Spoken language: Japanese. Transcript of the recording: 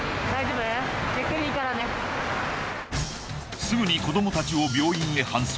すぐに子どもたちを病院へ搬送。